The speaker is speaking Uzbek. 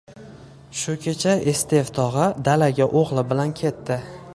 Shu kecha Estev tog`a dalaga o`g`li bilan ketdi